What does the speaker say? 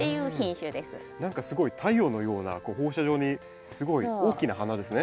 何かすごい太陽のような放射状にすごい大きな花ですね。